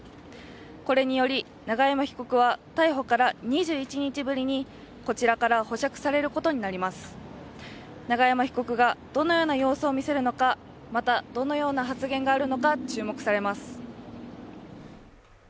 これにより永山被告は逮捕から２１日ぶりに、こちらから保釈されることになります。永山被告がどのような様子を見せるのか、またどのような発言があるのか注目されます。